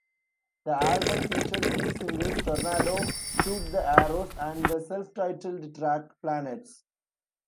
The album featured three singles: "Tornado", "Shoot the Arrows", and the self-titled track "Planets".